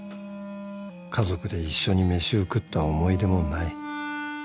家族で一緒に飯を食った思い出もない